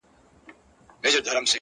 خدایه چي بیا به کله اورو کوچيانۍ سندري-